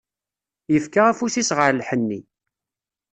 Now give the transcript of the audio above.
Yefka afus-is ɣer lḥenni.